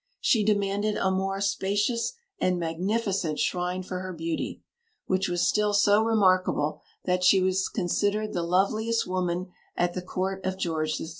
She demanded a more spacious and magnificent shrine for her beauty, which was still so remarkable that she was considered the loveliest woman at the Court of George III.